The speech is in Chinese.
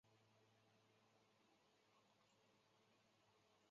一期成员小川纱季因为学业进修而毕业。